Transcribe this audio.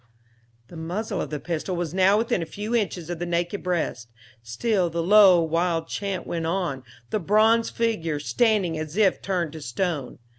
The muzzle of the pistol was now within a few inches of the naked breast; still the low, wild chant went on, the bronze figure standing as if turned to stone.